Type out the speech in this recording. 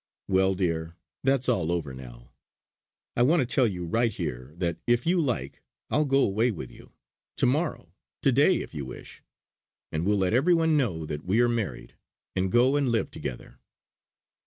Well, dear, that's all over now! I want to tell you, right here, that if you like I'll go away with you to morrow to day if you wish; and we'll let every one know that we are married, and go and live together."